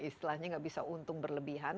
istilahnya nggak bisa untung berlebihan